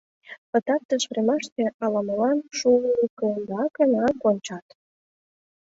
Пытартыш времаште ала-молан шукыракынак кончат.